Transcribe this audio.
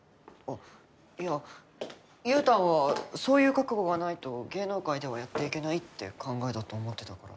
いやゆうたんはそういう覚悟がないと芸能界ではやっていけないって考えだと思ってたから。